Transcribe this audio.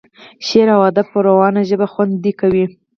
شعر او ادب په روانه ژبه خوند کوي.